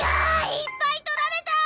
いっぱい取られた！